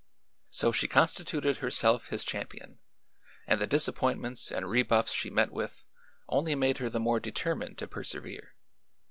So she constituted herself his champion and the disappointments and rebuffs she met with only made her the more determined to persevere.